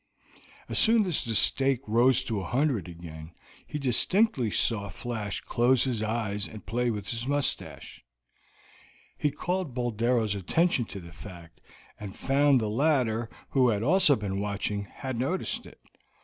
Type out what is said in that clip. As soon as the stake rose to a hundred again he distinctly saw Flash close his eyes and play with his mustache; he called Boldero's attention to the fact, and found the latter, who had also been watching, had noticed it.